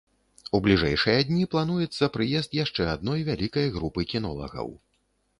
У бліжэйшыя дні плануецца прыезд яшчэ адной вялікай групы кінолагаў.